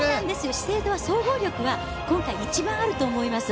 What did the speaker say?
資生堂は総合力は今回一番あると思います。